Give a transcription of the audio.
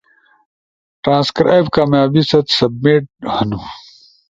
ٹرانسکرائب کامیابی ست سبمیٹ ہن،